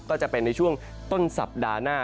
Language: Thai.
ก็จะเป็นในช่วงต้นสัปดาห์หน้า